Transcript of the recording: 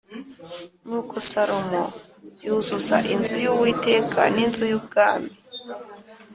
Nuko Salomo yuzuza inzu y’Uwiteka n’inzu y’ubwami